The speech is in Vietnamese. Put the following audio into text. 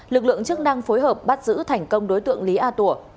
lực lượng chức năng phối hợp bắt giữ thành công đối tượng lý a tủa